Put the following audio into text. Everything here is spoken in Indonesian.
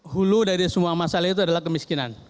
hulu dari semua masalah itu adalah kemiskinan